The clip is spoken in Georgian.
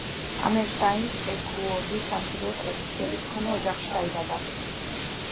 ჰამერშტაინ-ექუორდი სამხედრო ტრადიციების მქონე ოჯახში დაიბადა.